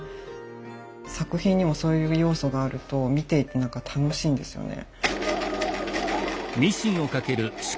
作品にもそういう要素があると見ていて何か楽しいんですよね。